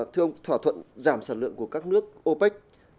thưa ông thỏa thuận giảm sản lượng của các nước opec